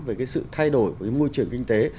về cái sự thay đổi của cái môi trường kinh tế